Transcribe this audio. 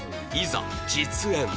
いざ実演